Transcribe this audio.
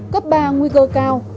cấp ba nguy cơ cao